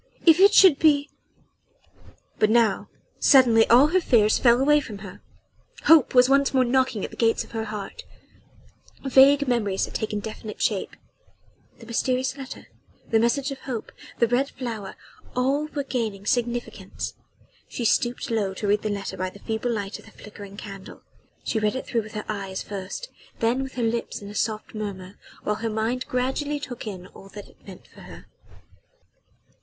if it should be ...!" But now suddenly all her fears fell away from her. Hope was once more knocking at the gates of her heart vague memories had taken definite shape ... the mysterious letter ... the message of hope ... the red flower ... all were gaining significance. She stooped low to read the letter by the feeble light of the flickering candle. She read it through with her eyes first then with her lips in a soft murmur, while her mind gradually took in all that it meant for her.